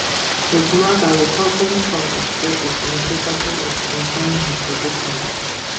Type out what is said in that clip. His mother, recovering from a stroke, is incapable of confirming his existence.